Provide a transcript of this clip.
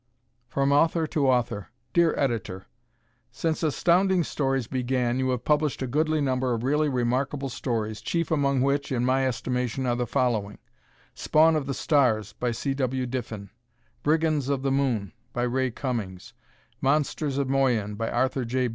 From Author to Author Dear Editor: Since Astounding Stories began you have published a goodly number of really remarkable stories, chief among which, in my estimation, are the following: "Spawn of the Stars," by C. W. Diffin; "Brigands of the Moon," by Ray Cummings; "Monsters of Moyen," by Arthur J.